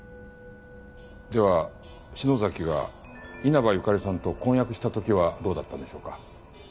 では篠崎が稲葉由香利さんと婚約した時はどうだったんでしょうか？